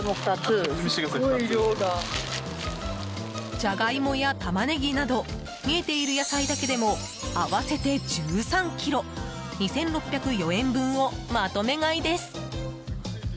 ジャガイモやタマネギなど見えている野菜だけでも合わせて１３ｋｇ２６０４円分をまとめ買いです。